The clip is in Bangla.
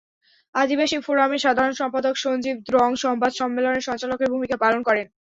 আদিবাসী ফোরামের সাধারণ সম্পাদক সঞ্জীব দ্রং সংবাদ সম্মেলনে সঞ্চালকের ভূমিকা পালন করেন।